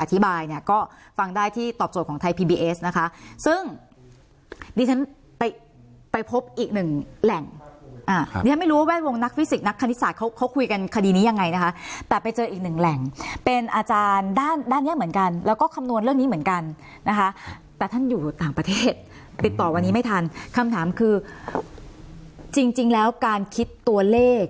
ท่านอยู่ต่างประเทศติดต่อวันนี้ไม่ทันคำถามคือจริงจริงแล้วการคิดตัวเลข